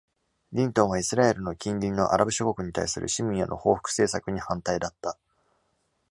リントンは、イスラエルの、近隣のアラブ諸国に対する市民への報復政策に反対だった。